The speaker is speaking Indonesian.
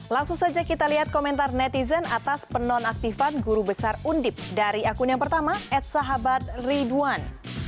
langsung saja kita lihat komentar netizen atas penonaktifan guru besar undip dari akun yang pertama at sahabat ridwan